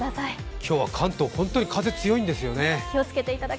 今日は関東、本当に風強いんですよね。